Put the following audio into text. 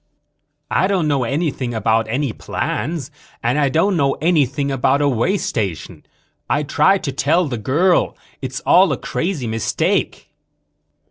"I don't know anything about any plans and I don't know anything about a way station. I tried to tell the girl: it's all a crazy mistake."